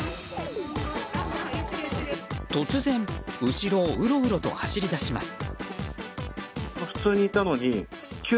突然、後ろをうろうろと走り出します。